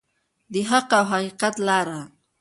د حق او حقیقت لاره.